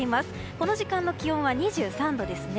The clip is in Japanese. この時間の気温は２３度ですね。